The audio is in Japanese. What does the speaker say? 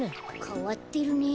かわってるね。